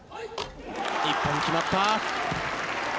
１本、決まった。